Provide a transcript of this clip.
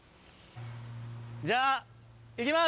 じゃあ行きます！